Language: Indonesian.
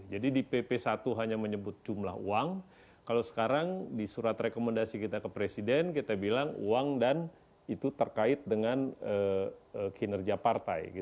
jadi di pp satu hanya menyebut jumlah uang kalau sekarang di surat rekomendasi kita ke presiden kita bilang uang dan itu terkait dengan kinerja partai